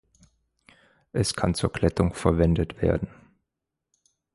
Es kann zur Glättung verwendet werden.